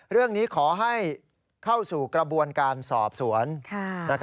เรื่องนี้ขอให้เข้าสู่กระบวนการสอบสวน